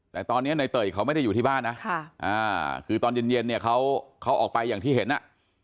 แต่ตอนนี้ในเตยเขาไม่ได้อยู่ที่บ้านนะคือตอนเย็นเนี่ยเขาออกไปอย่างที่เห็นอ่ะ